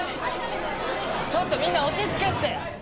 ちょっとみんな落ち着けって！